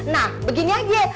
nah begini aja